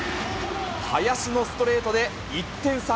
林のストレートで１点差。